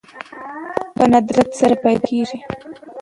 په ندرت سره پيدا کېږي